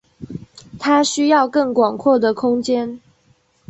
他需要更广阔的空间。